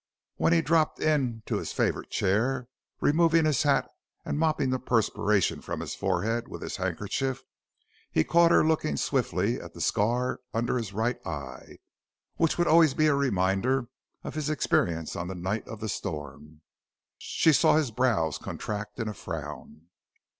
When he dropped into his favorite chair, removing his hat and mopping the perspiration from his forehead with his handkerchief, he caught her looking swiftly at the scar under his right eye which would always be a reminder of his experience on the night of the storm. She saw his brows contract in a frown.